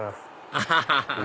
アハハハハ！